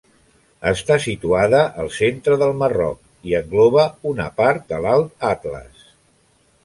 Està situada al centre del Marroc, i engloba una part de l'Alt Atles.